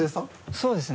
そうですね。